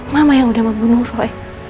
mama yang udah membunuh roy